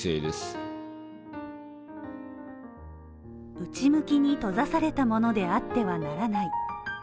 内向きに閉ざされたものであってはならない。